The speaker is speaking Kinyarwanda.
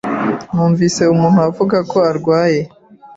Numvise umuntu avuga ko arwaye.